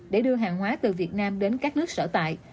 để đưa hàng hóa từ việt nam đến các nước sở tại